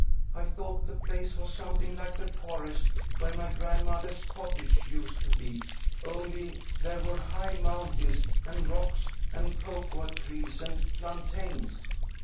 I thought the place was something like the forest where my grandmother's cottage used to be, only there were high mountains and rocks, and cocoa trees and plantains."